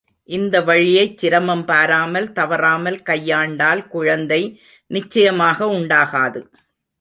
இந்த வழியைச் சிரமம் பாராமல், தவறாமல் கையாண்டால் குழந்தை நிச்சயமாக உண்டாகாது.